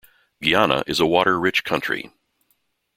Guyana is a water-rich country.